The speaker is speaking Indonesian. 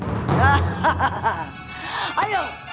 ayo berikan kepadamu